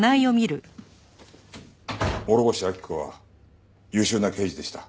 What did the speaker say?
諸星秋子は優秀な刑事でした。